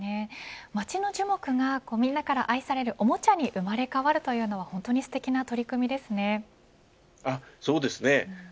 街の樹木がみんなから愛されるおもちゃに生まれ変わるのはすてきな取り組みですね。